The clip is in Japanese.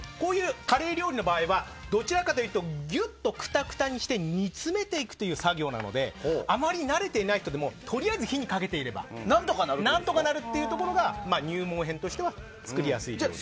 カレー料理の場合はどちらかというとぎゅっとクタクタにして煮詰めていくという作業なのであまり慣れていない人でもとりあえず火にかけていれば何とかなるっていうところが入門編としては作りやすいと思います。